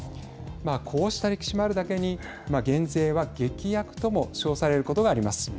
こうした歴史もあるだけに減税は劇薬とも称されることがあります。